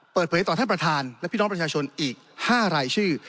เปิดเผยต่อท่านประธานและพี่น้องประชาชนอีก๕รายชื่อ